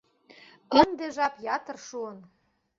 Ынде жап ятыр шуын.